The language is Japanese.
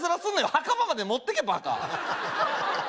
墓場まで持ってけバカ